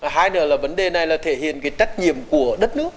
hai nữa là vấn đề này là thể hiện cái trách nhiệm của đất nước